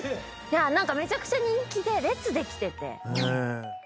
何かめちゃくちゃ人気で列できてて。